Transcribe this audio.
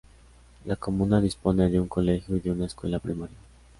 La comuna dispone de un colegio y de una escuela primaria.